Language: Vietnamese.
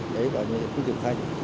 đấy gọi như phương trường khách